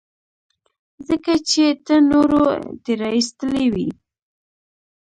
ځکه چې ته نورو تېرايستلى وې.